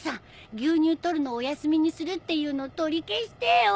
牛乳取るのお休みにするっていうの取り消してよ。